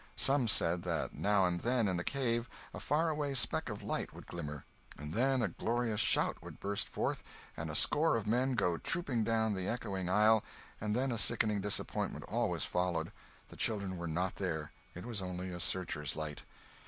Some said that now and then, in the cave, a far away speck of light would glimmer, and then a glorious shout would burst forth and a score of men go trooping down the echoing aisle—and then a sickening disappointment always followed; the children were not there; it was only a searcher's light.